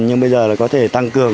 nhưng bây giờ có thể tăng cường